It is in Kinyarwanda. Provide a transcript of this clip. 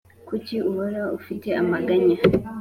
Kuki uhora ufite amaganya